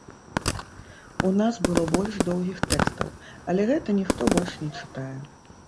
У нас было больш доўгіх тэкстаў, але гэта ніхто больш не чытае.